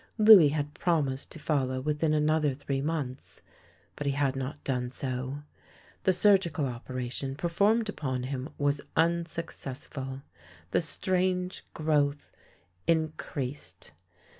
Louis had promised to follow within another three months, but he had not done so. The surgical operation performed upon him was unsuccessful — the strange growth in creased.